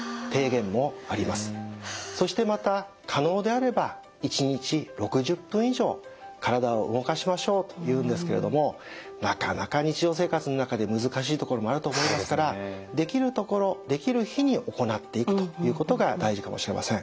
そしてまた可能であれば１日６０分以上体を動かしましょうというんですけれどもなかなか日常生活の中で難しいところもあると思いますからできるところできる日に行っていくということが大事かもしれません。